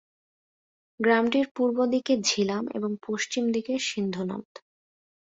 গ্রামটির পূর্ব দিকে ঝিলাম এবং পশ্চিম দিকে সিন্ধু নদ।